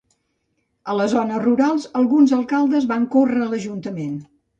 A les zones rurals, alguns alcaldes van córrer a l'Ajuntament.